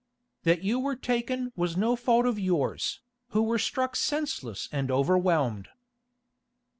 "That you were taken was no fault of yours, who were struck senseless and overwhelmed."